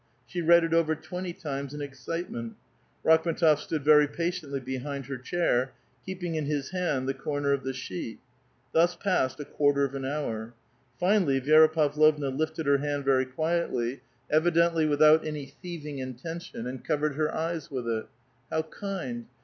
She read it over twenty times in excitement. Rakhm^tof stood very patiently behind her chair, keeping in his hand the corner of the sheet. Thus passed a quarter of an hour. Finally Vi6ra Pavlovna lifted her hand very quietly, evidently with A VITAL QUESTION. 297 ^nt any thieving intention, and covered her eyes with it: *'How kind